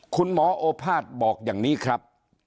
คุณหมอโอภาษย์บอกอย่างนี้ครับ